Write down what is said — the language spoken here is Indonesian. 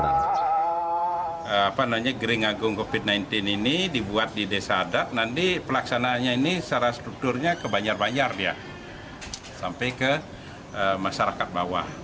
apa namanya gering agung covid sembilan belas ini dibuat di desa adat nanti pelaksanaannya ini secara strukturnya ke banjar banjar dia sampai ke masyarakat bawah